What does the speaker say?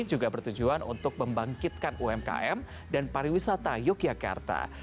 juga bertujuan untuk membangkitkan umkm dan pariwisata yogyakarta